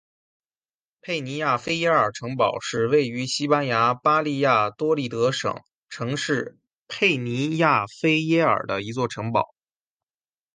佩尼亚菲耶尔城堡是位于西班牙巴利亚多利德省城市佩尼亚菲耶尔的一座城堡。